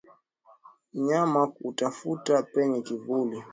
Mnyama kutafuta penye kivuli